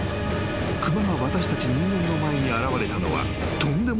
［熊が私たち人間の前に現れたのはとんでもない場所だった。